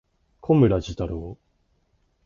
小村寿太郎